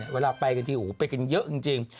เวลาไปกันทีไปกันเยอะจริง